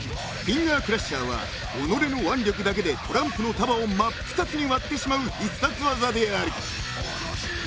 フィンガークラッシャーは己の腕力だけでトランプの束を真っ二つに割ってしまう必殺技である］